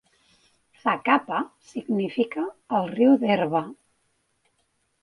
Zacapa significa al riu d'herba.